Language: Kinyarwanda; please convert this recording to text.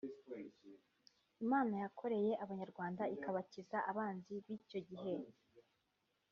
Imana yarokoye Abanyarwanda ikabakiza abanzi b’icyo gihe